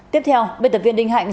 tiếp theo bệnh tập viên đinh hạnh